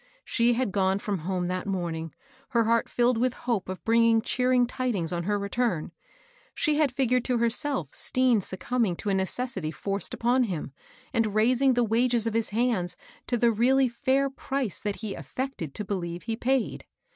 She had gone from home that morning, her heart filled with hope of bringing cheering tidings on her return. She had figured to herself Stean succumbing to a necessity forced upon him, and raising the wages of bis hands to the really /air ^*(?e that he affected to believe he paid.